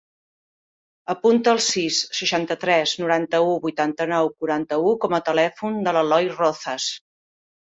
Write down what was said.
Apunta el sis, seixanta-tres, noranta-u, vuitanta-nou, quaranta-u com a telèfon de l'Eloi Rozas.